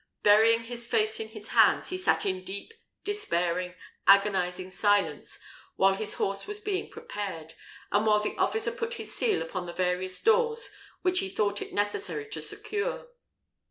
Burying his face in his hands, he sat in deep, despairing, agonising silence while his horse was being prepared, and while the officer put his seal upon the various doors which he thought it necessary to secure.